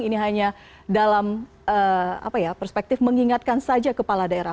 ini hanya dalam perspektif mengingatkan saja kepala daerah